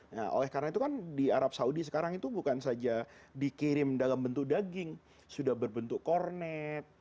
nah oleh karena itu kan di arab saudi sekarang itu bukan saja dikirim dalam bentuk daging sudah berbentuk kornet